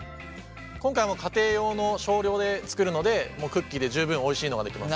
今回は家庭用の少量で作るのでクッキーで十分おいしいのができます。